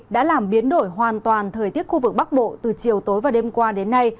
đã làm biến đổi hoàn toàn thời tiết khu vực bắc bộ từ chiều tối và đêm qua đến nay